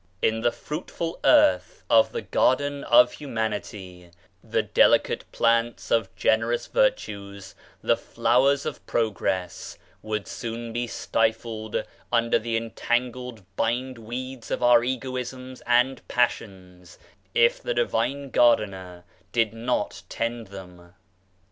In the fruitful earth of the garden of humanity, the delicate plants of generous virtues — the flowers of progress — would soon be stifled under the entangled bind weeds of our egoisms and passions if the Divine Gardener did not tend them.